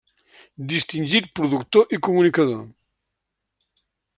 Distingit productor i comunicador.